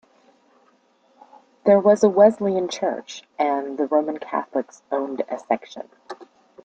There was a Wesleyan church, and the Roman Catholics owned a section.